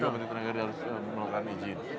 menteri tenaga kerja juga harus melakukan ijin